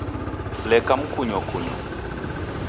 Leka mkunyokunyo